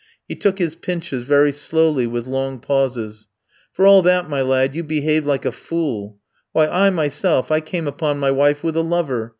He took his pinches very slowly, with long pauses. "For all that, my lad, you behaved like a fool. Why, I myself I came upon my wife with a lover.